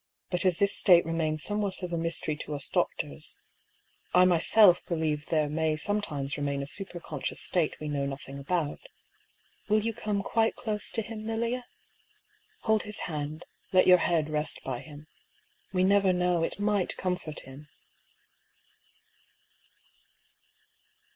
But as this state remains somewhat of a mystery to us doctors — I myself believe there may sometimes remain a super conscious state we know nothing about — will you come quite close to him, Lilia? Hold his hand ; let your head rest by him. We never know, it might comfort him